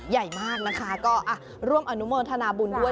ใหญ่มากนะคะก็ร่วมอนุโมทนาบุญด้วย